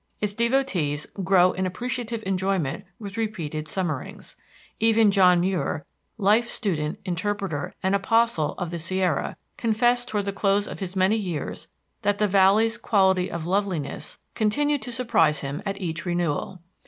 Its devotees grow in appreciative enjoyment with repeated summerings. Even John Muir, life student, interpreter, and apostle of the Sierra, confessed toward the close of his many years that the Valley's quality of loveliness continued to surprise him at each renewal.